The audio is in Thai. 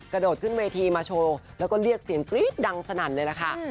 กระโดดขึ้นเวทีมาโชว์แล้วก็เรียกเสียงกรี๊ดดังสนั่นเลยล่ะค่ะ